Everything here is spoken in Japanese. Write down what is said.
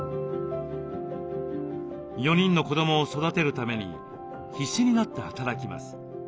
４人の子どもを育てるために必死になって働きます。